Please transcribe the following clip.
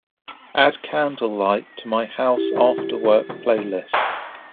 Add Candlelight to my House Afterwork playlist.